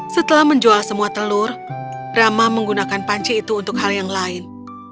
setelah menjual semua telur rama menggunakan panci itu untuk hal yang lain